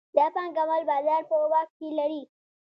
دا پانګوال بازار په واک کې لري